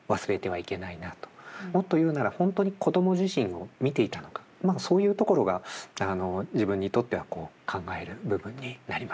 もっと言うなら本当に子供自身を見ていたのかそういうところが自分にとっては考える部分になりましたね。